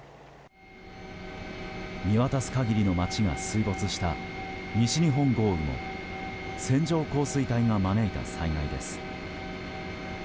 見渡す限りの街が水没した西日本豪雨も線状降水帯が招いた災害です。